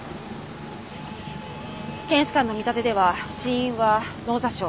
検視官の見立てでは死因は脳挫傷。